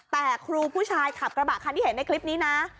แต่ครูผู้ชายขับกระบะคันที่เห็นในคลิปนี้นะ